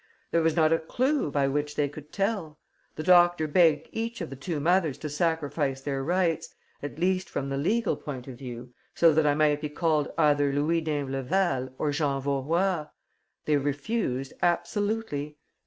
There was not a clue by which they could tell.... The doctor begged each of the two mothers to sacrifice her rights, at least from the legal point of view, so that I might be called either Louis d'Imbleval or Jean Vaurois. They refused absolutely.